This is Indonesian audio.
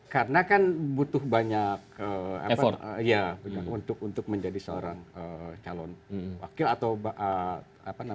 karena kan butuh banyak effort untuk menjadi seorang calon wakil atau apalagi presiden